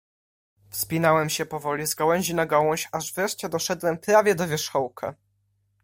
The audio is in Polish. "Wspinałem się powoli z gałęzi na gałąź, aż wreszcie doszedłem prawie do wierzchołka."